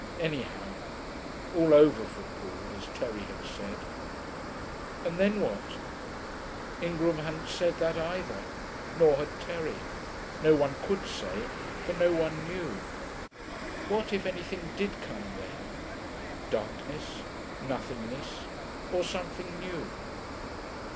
Anyhow, all over for Paul, as Terry had said. And then what? Ingram hadn't said that either; nor had Terry; no one could say, for no one knew. What, if anything, did come then? Darkness, nothingness, or something new?